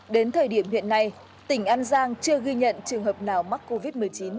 đến thời điểm hiện nay tỉnh an giang chưa ghi nhận trường hợp nào mắc covid một mươi chín